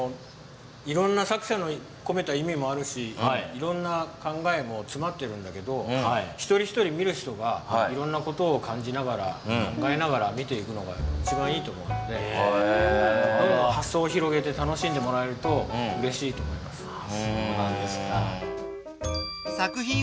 いろんな作者のこめた意味もあるしいろんな考えもつまってるんだけど一人一人見る人がいろんな事を感じながら考えながら見ていくのが一番いいと思うのでどんどん発想を広げて楽しんでもらえるとうれしいと思います。